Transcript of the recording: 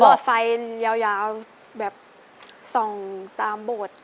อดไฟยาวแบบส่องตามโบสถ์